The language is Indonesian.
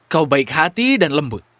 kau baik hati dan lembut